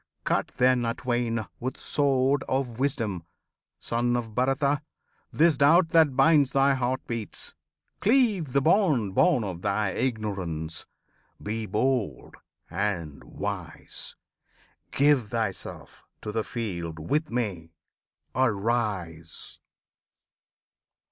Cut then atwain With sword of wisdom, Son of Bharata! This doubt that binds thy heart beats! cleave the bond Born of thy ignorance! Be bold and wise! Give thyself to the field with me! Arise!